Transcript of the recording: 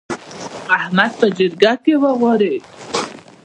احمد په جرګه کې وغورېد.